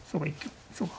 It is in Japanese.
そうか。